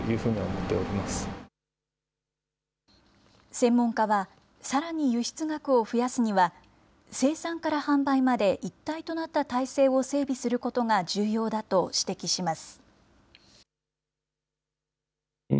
専門家は、さらに輸出額を増やすには、生産から販売まで一体となった体制を整備することが重要だと指摘します。